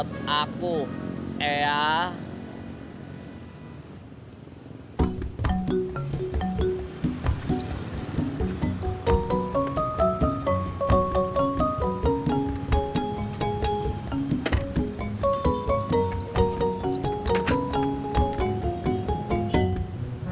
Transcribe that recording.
gak cukup pulsaanya